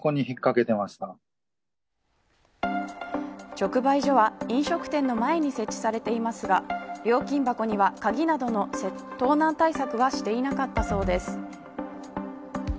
直売所は飲食店の前に設置されていますが料金箱には鍵などの盗難対策はしていなかったそうです。